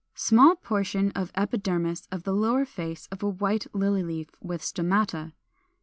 484. Small portion of epidermis of the lower face of a White Lily leaf, with stomata.